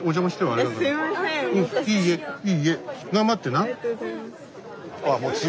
ありがとうございます。